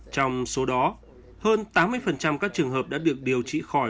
trong số đó hơn tám mươi các trường hợp đã được điều trị khỏi